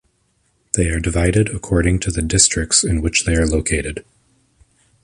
They are divided according to the districts in which they are located.